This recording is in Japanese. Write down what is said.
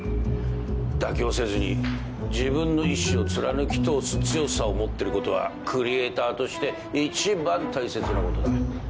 妥協せずに自分の意志を貫き通す強さを持ってることはクリエーターとして一番大切なことだ。